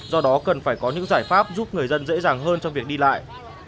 do đó cần phải có những giải pháp giúp người dân dễ dàng hơn trong việc đi lại